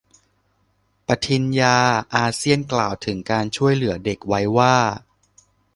ปฏิญญาอาเซียนกล่าวถึง การช่วยเหลือเด็กไว้ว่า